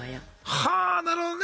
はあなるほどね！